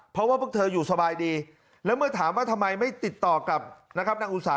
เพราะว่าพวกเธออยู่สบายดีแล้วเมื่อถามว่าทำไมไม่ติดต่อกับนะครับนางอุสา